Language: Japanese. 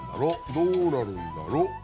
どうなるんだろ！